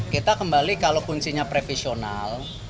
kita kembali kalau kuncinya previsional